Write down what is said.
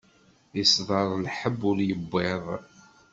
Isḍer lḥebb ur iwwiḍ.